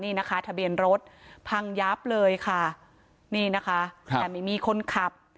นี่นะคะทะเบียนรถพังยับเลยค่ะนี่นะคะแต่ไม่มีคนขับ